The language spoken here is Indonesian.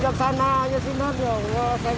gak ada pinjam sana hanya sinar